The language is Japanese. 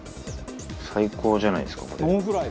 最高じゃないですかこれ。